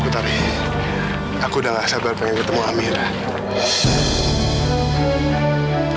tapi aku udah gak sabar pengen ketemu amira